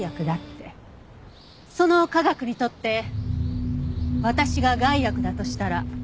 その科学にとって私が害悪だとしたら？